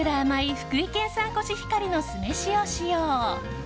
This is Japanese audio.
福井県産コシヒカリの酢飯を使用。